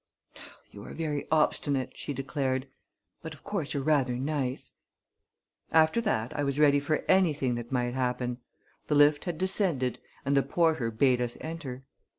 "You are very obstinate," she declared; "but, of course, you're rather nice." After that I was ready for anything that might happen. The lift had descended and the porter bade us enter.